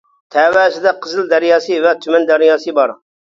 تەۋەسىدە قىزىل دەرياسى ۋە تۈمەن دەرياسى بار.